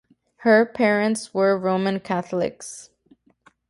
Her parents were Roman Catholics.